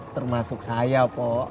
termasuk saya pok